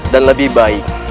dan lebih baik